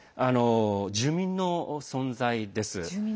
住民の存在です。